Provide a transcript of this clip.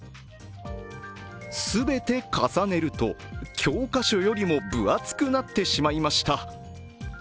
全て重ねると教科書よりも分厚くなってしまいました。